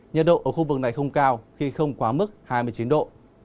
nhiệt độ ở khu vực này không cao khi không quá mức hai mươi chín độ